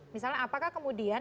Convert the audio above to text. misalnya apakah kemudian